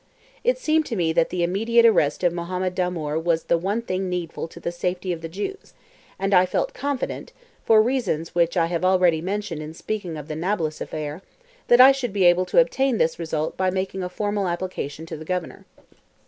It seemed to me that the immediate arrest of Mohammed Damoor was the one thing needful to the safety of the Jews, and I felt confident (for reasons which I have already mentioned in speaking of the Nablus affair) that I should be able to obtain this result by making a formal application to the Governor.